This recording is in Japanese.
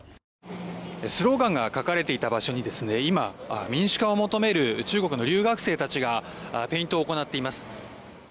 スローガンが書かれていた場所に今、民主化を求める中国の留学生たちがペイントを行っています。